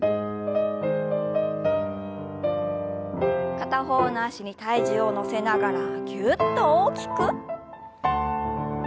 片方の脚に体重を乗せながらぎゅっと大きく。